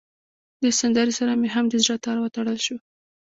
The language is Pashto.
دې سندره سره مې هم د زړه تار وتړل شو.